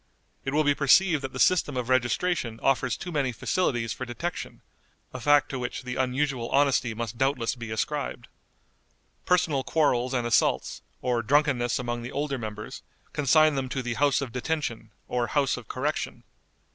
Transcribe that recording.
It will be perceived that the system of registration offers too many facilities for detection, a fact to which the unusual honesty must doubtless be ascribed. Personal quarrels and assaults, or drunkenness among the older members, consign them to the House of Detention or House of Correction.